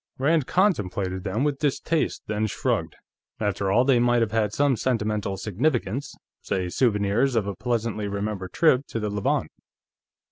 Rand contemplated them with distaste, then shrugged. After all, they might have had some sentimental significance; say souvenirs of a pleasantly remembered trip to the Levant.